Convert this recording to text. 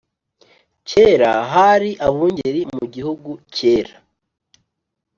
Kera hari abungeri mu gihugu kera